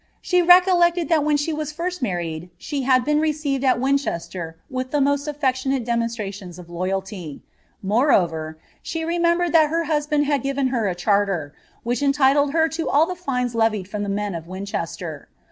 She recollected that when she was first married she had been received at Winchester, with the most affectionate demonstrations of loyalty; more over, she remembered that her husband had given her a charter, which entitled her to all the fines levied from the men of Winchester.